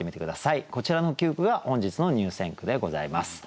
こちらの９句が本日の入選句でございます。